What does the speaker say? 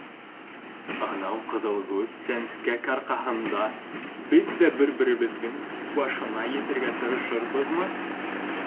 — Анау ҡыҙылгүҙ сәнскәк арҡаһында беҙ ҙә бер-беребеҙҙең башына етергә тырышырбыҙмы?